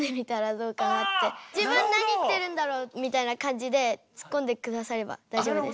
自分何言ってるんだろうみたいな感じでツッコんでくだされば大丈夫です。